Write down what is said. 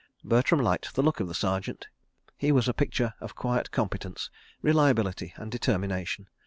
Bertram liked the look of the Sergeant. He was a picture of quiet competence, reliability and determination.